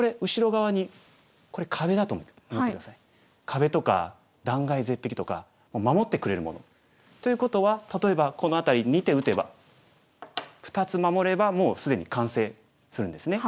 壁とか断崖絶壁とか守ってくれるもの。ということは例えばこの辺り２手打てば２つ守ればもう既に完成するんですね。